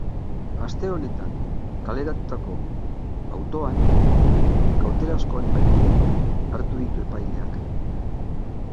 Astearte honetan kaleratutako autoan, kautelazko hainbat neurri hartu ditu epaileak.